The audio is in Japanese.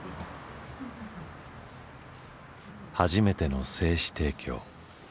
初めての精子提供。